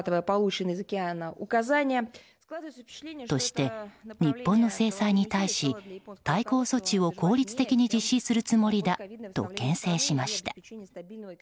として、日本の制裁に対し対抗措置を効率的に実施するつもりだと牽制しました。